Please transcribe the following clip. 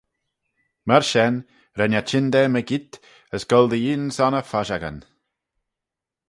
Myr shen, ren eh chyndaa mygeayrt as goll dy yeeaghyn son e phoshagyn.